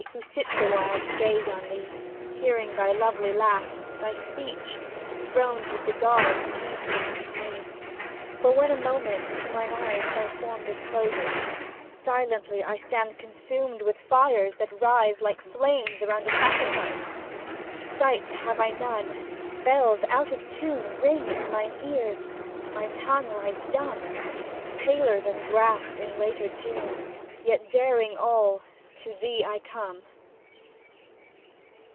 Who sits awhile to gaze on thee, Hearing thy lovely laugh, thy speech, Throned with the gods he seems to me; For when a moment to mine eyes Thy form discloses, silently I stand consumed with fires that rise Like flames around a sacrifice. Sight have I none, bells out of tune Ring in mine ears, my tongue lies dumb ; Paler than grass in later June, Yet daring all (To thee I come).